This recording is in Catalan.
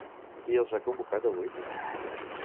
Qui els ha convocat avui?